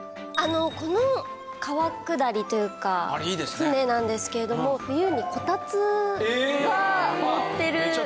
この川下りというか舟なんですけれども冬にこたつがのってるバージョンのがあって。